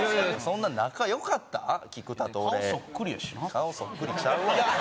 顔そっくりちゃうわお前。